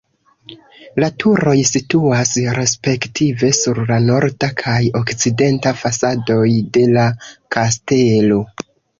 La turoj situas respektive sur la norda kaj okcidenta fasadoj de la kastelo.